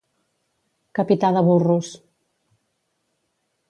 Capità de burros.